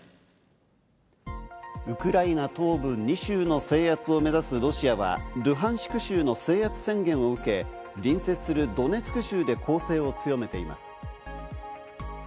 ウクライナ東部２州の制圧を目指すロシアは、ルハンシク州の制圧宣言を受け、隣接するドネツク州で攻勢を強めています。